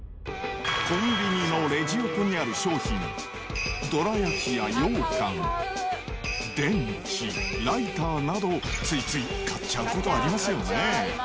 コンビニのレジ横にある商品、どら焼きやようかん、電池、ライターなど、ついつい買っちゃうことありますよね？